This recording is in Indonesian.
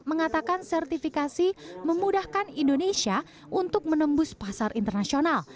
mengatakan sertifikasi memudahkan indonesia untuk menembus pasar internasional